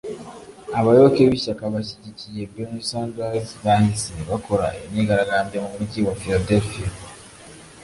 Abayoboke b’ishyaka bashyigigikiye Bernie Sanders bahise bakora imyigaragambyo mu mujyi wa Philadelphia